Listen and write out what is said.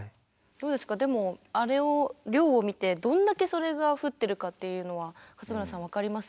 どうですかでもあれを量を見てどんだけそれが降ってるかっていうのは勝村さん分かります？